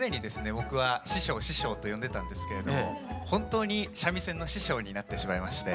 僕は「師匠師匠」と呼んでたんですけれども本当に三味線の師匠になってしまいまして。